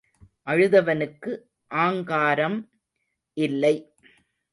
அழுதவனுக்கு ஆங்காரம் இல்லை.